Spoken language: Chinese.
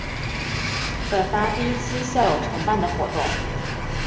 转发第一期校友承办的活动